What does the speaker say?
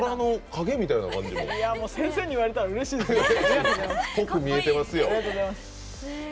先生に言われたらうれしいですね。